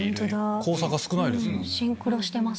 交差が少ないですね。